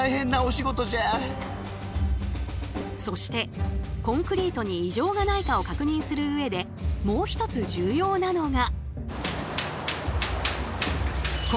そしてコンクリートに異常がないかを確認する上でもう一つ重要なのが。